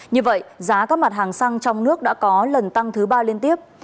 như vậy giá các mặt hàng xăng trong nước đã có lần tăng thứ ba liên tiếp